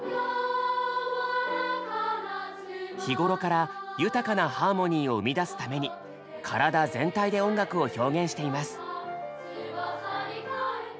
日頃から豊かなハーモニーを生み出すために体全体で音楽を表現しています。